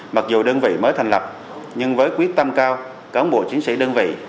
mặc dù đơn vị mới thành lập nhưng với quyết tâm cao cán bộ chiến sĩ đơn vị